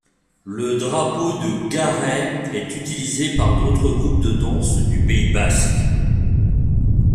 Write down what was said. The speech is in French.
Le drapeau de Garay est utilisé par d'autres groupes de danse du Pays basque.